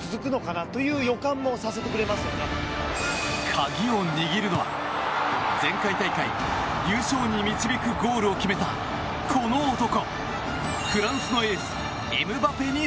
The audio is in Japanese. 鍵を握るのは前回大会優勝に導くゴールを決めたこの男。